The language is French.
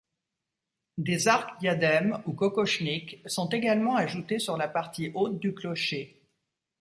Des arcs-diadèmes ou kokochniks sont également ajoutés sur la partie haute du clocher.